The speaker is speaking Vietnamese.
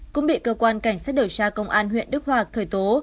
cũng bị cơ quan cảnh sát điều tra công an huyện đức hòa khởi tố